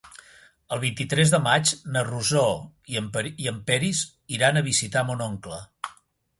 El vint-i-tres de maig na Rosó i en Peris iran a visitar mon oncle.